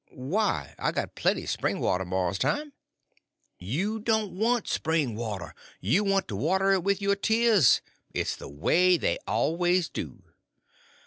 "Why, I got plenty spring water, Mars Tom." "You don't want spring water; you want to water it with your tears. It's the way they always do."